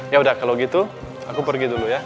yaudah kalau gitu aku pergi dulu ya